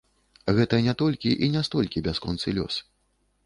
Гэта не толькі і не столькі бясконцы лес.